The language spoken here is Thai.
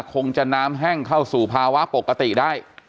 คงจะน้ำแห้งเข้าสู่ภาวะปกติได้